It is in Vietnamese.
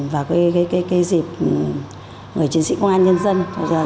và cái dịp người chiến sĩ quân an nhân dân